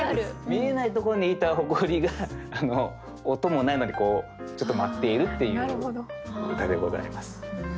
見えないところにいたホコリが音もないのにちょっと舞っているっていう歌でございます。